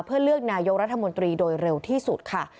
เพื่อเลือกนายกรัฐมนตรีโดยเร็วที่สุดค่ะ